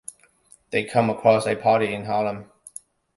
They come across a party in Harlem.